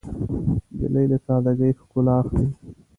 نجلۍ له سادګۍ ښکلا اخلي.